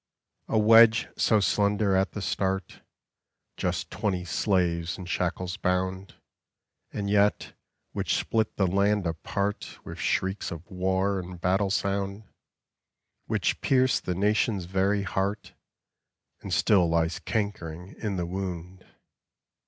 A wedge so slender at the start Just twenty slaves in shackles bound And yet, which split the land apart With shrieks of war and battle sound, Which pierced the nation's very heart, And still lies cankering in the wound.